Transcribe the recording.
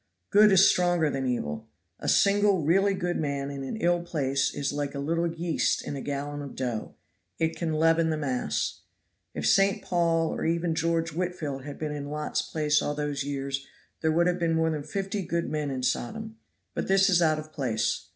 Good is stronger than evil. A single really good man in an ill place is like a little yeast in a gallon of dough; it can leaven the mass. If St. Paul or even George Whitfield had been in Lot's place all those years there would have been more than fifty good men in Sodom; but this is out of place.